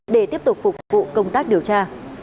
để tiếp tục phục vụ công tác điều tra